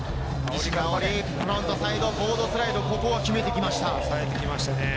フロントサイドボードスライド、ここは決めてきました。